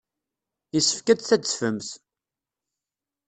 Yessefk ad d-tadfemt.